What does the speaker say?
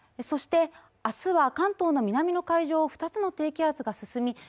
そして明日は関東の南の海上を２つの低気圧が進み